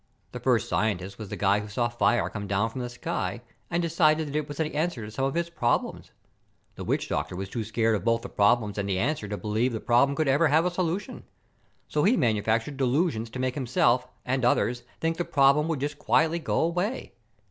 The first scientist was the guy who saw fire come down from the sky and decided that was the answer to some of his problems. The witch doctor was too scared of both the problem and the answer to believe the problem could ever have a solution. So he manufactured delusions to make himself and others think the problem would just quietly go away.